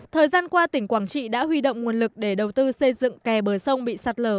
thời gian qua tỉnh quảng trị đã huy động nguồn lực để đầu tư xây dựng kè bờ sông bị sạt lở